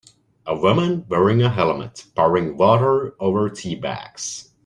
A woman wearing a helmet pouring water over tea bags